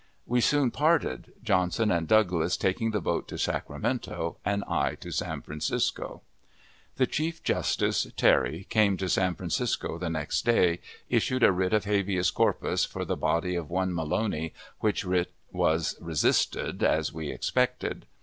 We soon parted; Johnson and Douglas taking the boat to Sacramento, and I to San Francisco. The Chief Justice, Terry, came to San Francisco the next day, issued a writ of habeas corpus for the body of one Maloney, which writ was resisted, as we expected.